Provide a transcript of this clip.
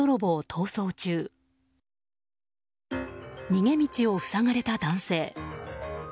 逃げ道を塞がれた男性。